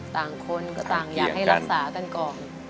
ต่างคนก็ต่างอยากให้รักษากันก่อน